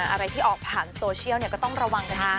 อะไรที่ออกผ่านโซเชียลก็ต้องระวังกันด้วย